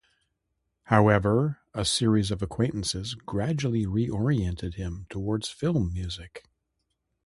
However, a series of acquaintances gradually re-oriented him towards film music.